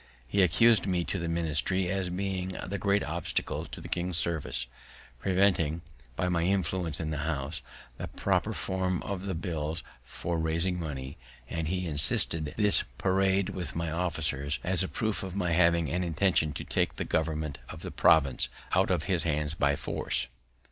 He accused me to the ministry as being the great obstacle to the King's service, preventing, by my influence in the House, the proper form of the bills for raising money, and he instanced this parade with my officers as a proof of my having an intention to take the government of the province out of his hands by force.